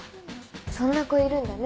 そんな子いるんだね